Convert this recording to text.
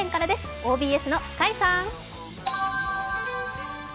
ＯＢＳの甲斐さん。